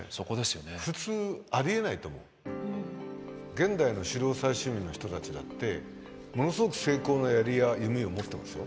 現代の狩猟採集民の人たちだってものすごく精巧な槍や弓を持ってますよ。